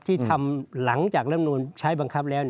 ที่ทำหลังจากรำนูลใช้บังคับแล้ว